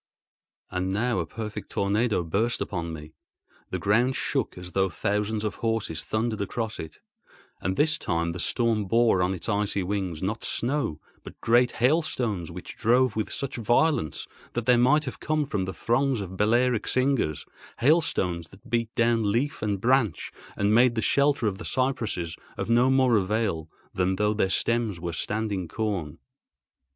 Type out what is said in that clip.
And now a perfect tornado burst upon me. The ground shook as though thousands of horses thundered across it; and this time the storm bore on its icy wings, not snow, but great hailstones which drove with such violence that they might have come from the thongs of Balearic slingers—hailstones that beat down leaf and branch and made the shelter of the cypresses of no more avail than though their stems were standing corn.